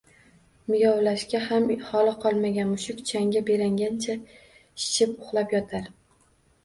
Miyovlashga ham holi qolmagan mushuk changga belangancha shishib uxlab yotar